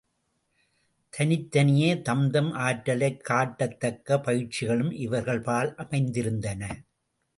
தனித் தனியே தம் தம் ஆற்றலைக் காட்டத்தக்க பயிற்சிகளும் இவர்கள் பால் அமைந்திருந்தன.